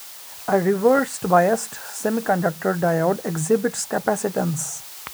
A reversed-biased semiconductor diode exhibits capacitance.